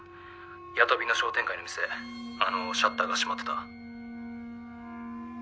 八飛の商店街の店あのシャッターが閉まってた。